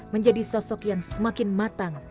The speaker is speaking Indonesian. menjadi sosok yang semakin matang